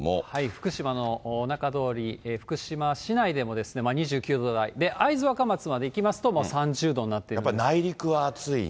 福島の中通り、福島市内でも２９度台、会津若松まで行きますと、やっぱり内陸は暑い。